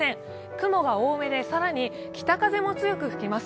雲が多めで更に北風も強く吹きます。